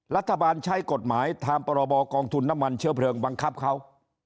รัฐบาลใช้กฎหมายทางพรบกองทุนน้ำมันเชื้อเพลิงบังคับเขา